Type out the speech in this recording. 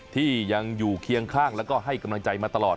ที่ยังอยู่เคียงข้างแล้วก็ให้กำลังใจมาตลอด